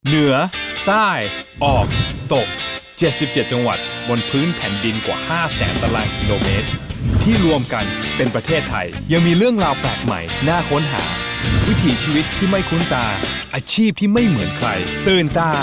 เป็นคนพบความเป็นใครที่ไม่คุ้นเคยกับเรา